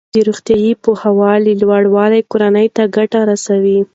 د روغتیايي پوهاوي لوړوالی کورنۍ ته ګټه رسوي.